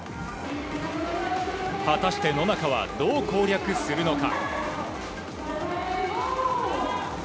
果たして、野中はどう攻略するのか。